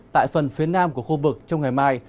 tại phần phía nam của khu vực trong ngày mai